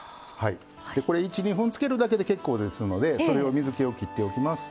でこれ１２分つけるだけで結構ですのでそれを水けをきっておきます。